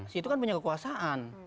situ kan punya kekuasaan